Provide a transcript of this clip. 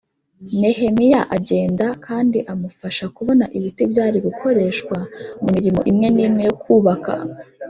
Nehemiya agenda kandi amufasha kubona ibiti byari gukoreshwa mu mirimo imwe n imwe yo kubaka